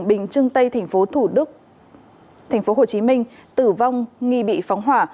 bình chương tây thành phố thủ đức thành phố hồ chí minh tử vong nghi bị phóng hỏa